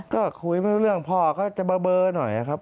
ก็คุยไม่รู้เรื่องพ่อก็จะเบอร์หน่อยครับ